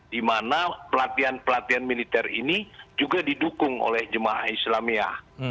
di mana pelatihan pelatihan militer ini juga didukung oleh jemaah islamia